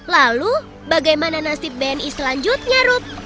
lalu bagaimana nasib bni selanjutnya ruk